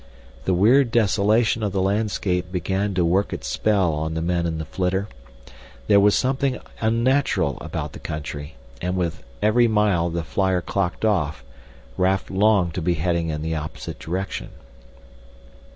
The weird desolation of the landscape began to work its spell on the men in the flitter. There was something unnatural about the country, and with every mile the flyer clocked off, Raf longed to be heading in the opposite direction.